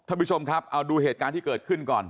ท่านผู้ชมครับเอาดูเหตุการณ์ที่เกิดขึ้นก่อน